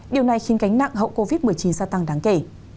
điều này khiến gánh nặng hậu covid một mươi chín gia tăng đáng kể